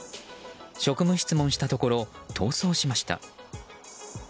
職務質問したところ逃走しました。